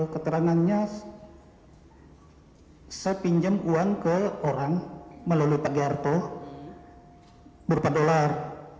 keterangannya saya pinjam uang ke orang melalui pak garto berupa dolar